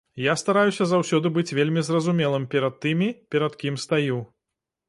Я стараюся заўсёды быць вельмі зразумелым перад тымі, перад кім стаю.